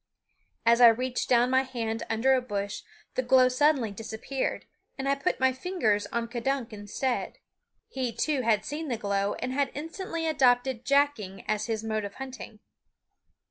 As I reached down my hand under a bush, the glow suddenly disappeared, and I put my fingers on K'dunk instead. He, too, had seen the glow and had instantly adopted jacking as his mode of hunting.